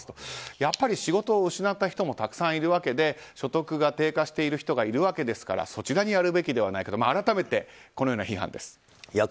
やっぱり仕事を失った人もたくさんいるわけで所得が低下している人がいるわけですからそちらにやるべきではないかと改めて、このような批判です。